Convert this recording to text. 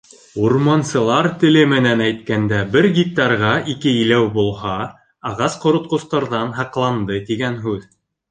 Урмансылар теле менән әйткәндә бер гектарға ике иләү булһа, ағас ҡоротҡостарҙан һаҡланды тигән һүҙ.